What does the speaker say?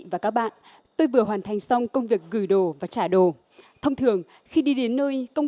và các bạn tôi vừa hoàn thành xong công việc gửi đồ và trả đồ thông thường khi đi đến nơi công